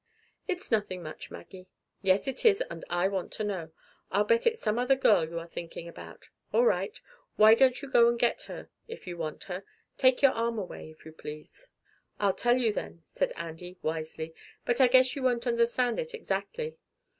"It's nothing much, Maggie." "Yes it is, and I want to know. I'll bet it's some other girl you are thinking about. All right. Why don't you go and get her if you want her? Take your arm away, if you please." "I'll tell you then," said Andy wisely; "but I guess you won't understand it exactly.